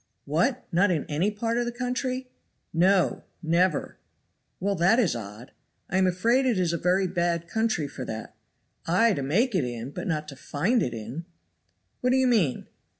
"What, not in any part of the country?" "No! never!" "Well, that is odd!" "I am afraid it is a very bad country for that." "Ay to make it in, but not to find it in." "What do you mean?"